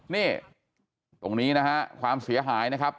นี่ตรงนี้นะฮะความเสียหายนะครับ